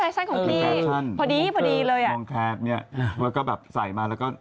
อายุแฟชั่นของพี่จริงพอดีเลยทำรับให้เพิ่ง